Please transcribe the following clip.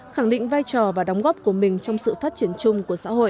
khẳng định vai trò và đóng góp của mình trong sự phát triển chung của xã hội